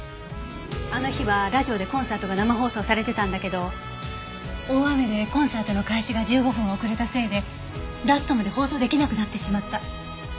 あの日はラジオでコンサートが生放送されてたんだけど大雨でコンサートの開始が１５分遅れたせいでラストまで放送出来なくなってしまった。